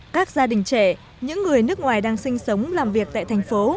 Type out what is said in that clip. các gia đình trẻ những người nước ngoài đang sinh sống làm việc tại thành phố